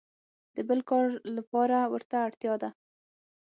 د بل کار لپاره ورته اړتیا ده.